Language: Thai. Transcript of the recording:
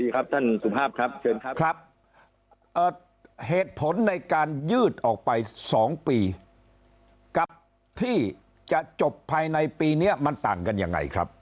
เกินครับเหตุผลในการยืดออกไป๒ปีกับที่จะจบภายในปีเนี่ยมันต่างกันยังไงครับ